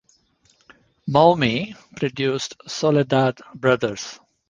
Maumee produced Soledad Brothers.